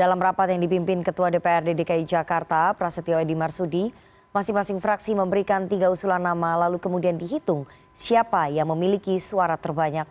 dalam rapat yang dipimpin ketua dprd dki jakarta prasetyo edi marsudi masing masing fraksi memberikan tiga usulan nama lalu kemudian dihitung siapa yang memiliki suara terbanyak